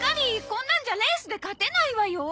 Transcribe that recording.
こんなんじゃレースで勝てないわよ！